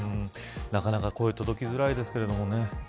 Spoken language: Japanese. なかなか声が届きづらいですけれどもね。